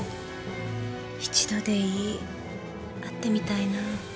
一度でいい会ってみたいな。